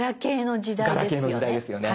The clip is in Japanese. ガラケーの時代ですよね。